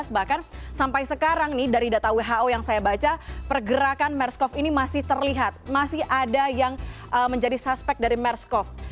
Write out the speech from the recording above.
bahkan sampai sekarang nih dari data who yang saya baca pergerakan mers cov ini masih terlihat masih ada yang menjadi suspek dari mers cov